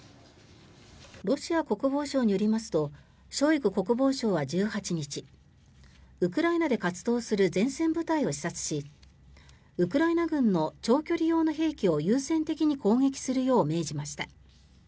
ロシア国防省によりますとショイグ国防相は１８日ウクライナで活動する前線部隊を視察しウクライナ軍の長距離用の兵器を優先的に攻撃するよう命じました。